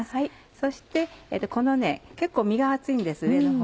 そしてこのね結構身が厚いんです上のほう。